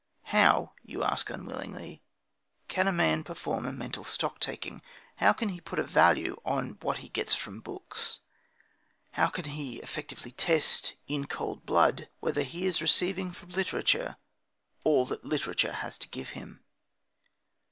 How (you ask, unwillingly) can a man perform a mental stocktaking? How can he put a value on what he gets from books? How can he effectively test, in cold blood, whether he is receiving from literature all that literature has to give him?